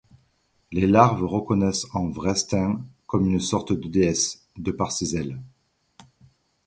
Les larves reconnaissent en Vrestin comme une sorte de déesse, de par ses ailes.